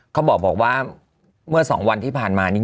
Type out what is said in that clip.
เขาบอกว่าเมื่อ๒วันที่ผ่านมานี้